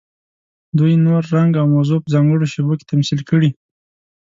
دوی نور، رنګ او موضوع په ځانګړو شیبو کې تمثیل کړي.